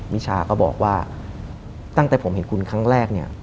วิชาก็บอกว่าตั้งแต่ผมเห็นคุณครั้งแรกเนี่ย